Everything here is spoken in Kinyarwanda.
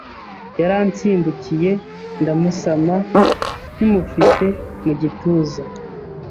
Yaransimbukiye ndamusama nkimufite mu gituza